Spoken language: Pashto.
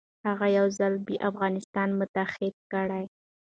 هغه یو ځل بیا افغانستان متحد کړ.